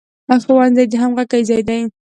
ښوونځی د همغږۍ ځای دی